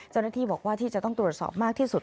เจ้าหน้าที่บอกว่าที่จะต้องตรวจสอบมากที่สุด